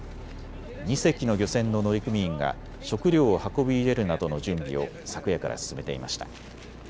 ２隻の漁船の乗組員が食料を運び入れるなどの準備を昨夜から進めていました。